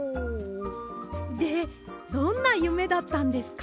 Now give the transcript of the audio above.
でどんなゆめだったんですか？